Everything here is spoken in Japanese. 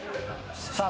さあ